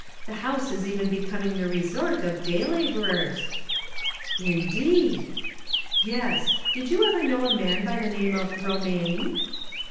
The house is even becoming the resort of day la borers." "Indeed!" " Yes. Did you ever know a man by the name of Romaine